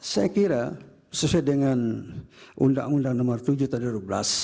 saya kira sesuai dengan undang undang nomor tujuh tahun dua ribu sebelas